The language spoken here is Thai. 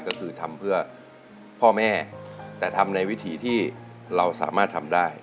ก็คือทำเพื่อพ่อแม่แต่ทำในวิถีที่เราสามารถทำได้